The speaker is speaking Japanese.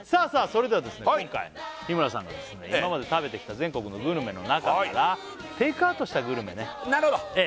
それでは今回日村さんが今まで食べてきた全国のグルメの中からはいテイクアウトしたグルメねなるほど！